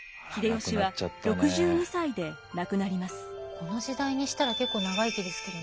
この時代にしたら結構長生きですけどね。